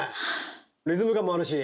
リズム感もあるし